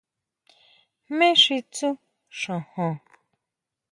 ¿Jmé xi tsú xojon?